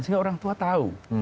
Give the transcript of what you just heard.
sehingga orang tua tahu